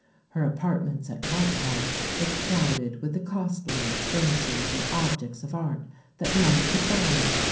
Her apartments at Whitehall were crowded with the costliest furnishings and objects of art that money could buy.